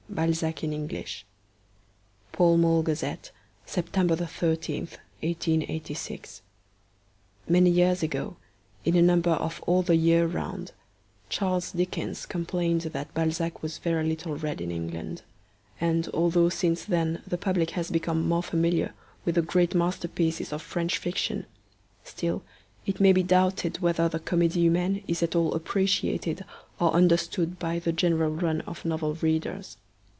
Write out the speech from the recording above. BALZAC IN ENGLISH (Pall Mall Gazette, September 13, 1886.) Many years ago, in a number of All the Year Round, Charles Dickens complained that Balzac was very little read in England, and although since then the public has become more familiar with the great masterpieces of French fiction, still it may be doubted whether the Comedie Humaine is at all appreciated or understood by the general run of novel readers.